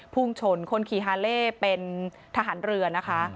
พุ่งชนคนขี่ฮาเล่เป็นทหารเรือนะคะ